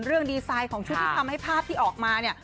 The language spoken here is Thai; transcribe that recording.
ดีไซน์ของชุดที่ทำให้ภาพที่ออกมาเนี่ย